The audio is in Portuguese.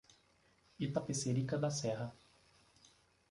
Itapecerica da Serra